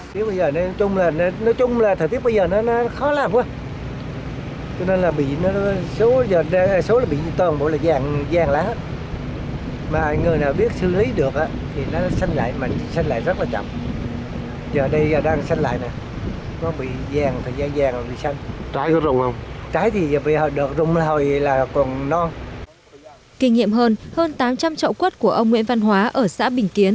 kinh nghiệm hơn hơn tám trăm linh trậu quất của ông nguyễn văn hóa ở xã bình kiến